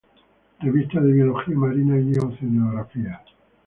Revista de Biología Marina y Oceanografía.